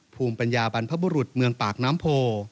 ภูมิปัญญาบรรพบุรุษเมืองปากน้ำโพ